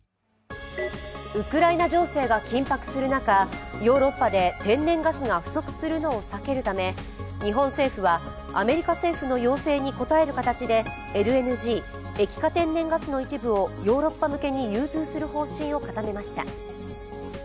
ウクライナ情勢が緊迫する中、ヨーロッパで天然ガスが不足するのを避けるため日本政府はアメリカ政府の要請に応える形でＬＮＧ＝液化天然ガスの一部をヨーロッパ向けに融通する方針を固めました。